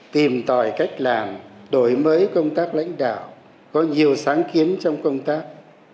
tìm tòi cách làm đổi mới công tác lãnh đạo có nhiều sáng kiến trong công tác